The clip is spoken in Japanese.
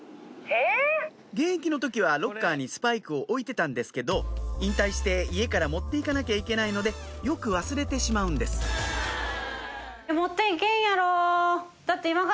現役の時はロッカーにスパイクを置いてたんですけど引退して家から持って行かなきゃいけないのでよく忘れてしまうんです持って行けんやろ。